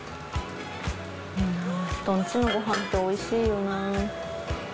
人ん家のご飯っておいしいよな。